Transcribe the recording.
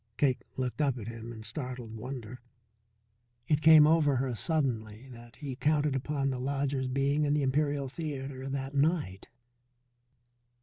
Cake looked up at him in startled wonder. It came over her suddenly that he counted upon the lodger's being in the Imperial Theatre that night.